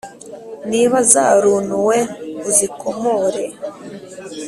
Niba zarunuwe uzikomore